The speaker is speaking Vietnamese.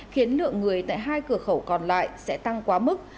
khiến lượng người tại hai cửa khẩu còn lại sẽ tăng quá mức